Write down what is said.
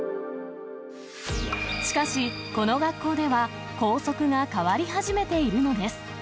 しかし、この学校では、校則が変わり始めているのです。